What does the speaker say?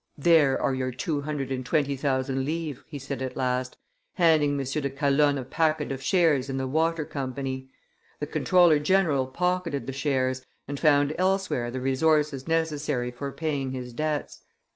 "There are your two hundred and twenty thousand livres," he said at last, handing M. de Calonne a packet of shares in the Water Company. The comptroller general pocketed the shares, and found elsewhere the resources necessary for paying his debts.